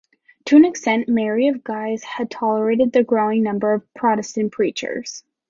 To an extent, Mary of Guise had tolerated the growing number of Protestant preachers.